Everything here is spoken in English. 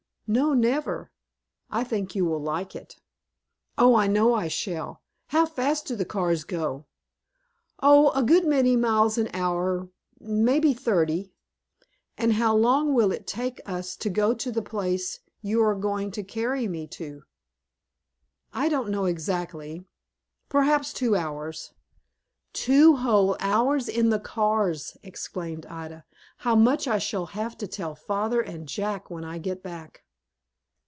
"No, never." "I think you will like it." "Oh, I know I shall. How fast do the cars go?" "Oh, a good many miles an hour, maybe thirty." "And how long will it take us to go to the place you are going to carry me to!" "I don't know exactly, perhaps two hours." "Two whole hours in the cars!" exclaimed Ida. "How much I shall have to tell father and Jack when I get back."